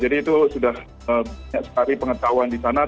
jadi itu sudah banyak sekali pengetahuan di sana